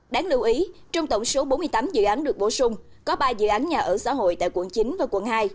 đáng lưu ý trong tổng số bốn mươi tám dự án được bổ sung có ba dự án nhà ở xã hội tại quận chín và quận hai